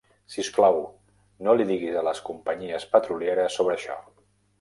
Si us plau, no li diguis a les companyies petrolieres sobre això.